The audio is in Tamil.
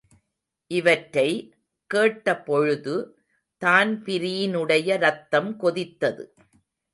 இவற்றை கேட்ட பொழுது தான்பிரீனுடைய ரத்தம் கொதித்தது.